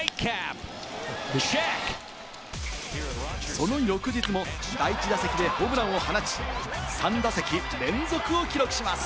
その翌日も第１打席でホームランを放ち、３打席連続を記録します。